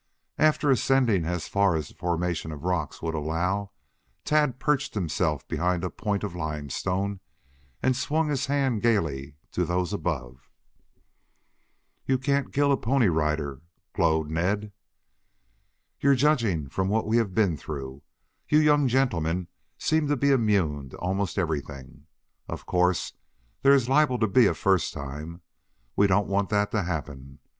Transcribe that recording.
After ascending as far as the formation of the rocks would allow, Tad perched himself behind a point of limestone and swung his hand gayly to those above. "You can't kill a Pony Rider," glowed Ned. "Yes, judging from what we have been through, you young gentlemen seem to be immune to almost everything. Of course there is liable to be a first time. We don't want that to happen.